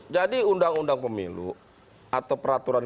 jadi undang undang pemilu atau peraturan